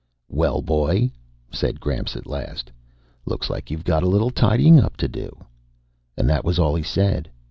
"Well, boy," said Gramps at last, "looks like you've got a little tidying up to do." And that was all he said.